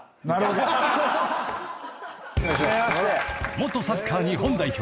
［元サッカー日本代表